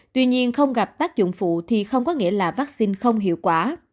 tuy nhiên không gặp tác dụng phụ thì không có nghĩa là vaccine không hiệu quả